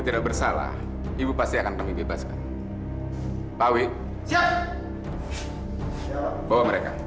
tidak bersalah ibu pasti akan kami bebas pak wik siap bawa mereka